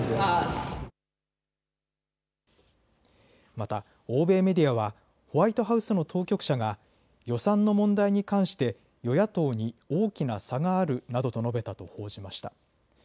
また欧米メディアはホワイトハウスの当局者が予算の問題に関して与野党に大きな差があるなどと述べたと報じました。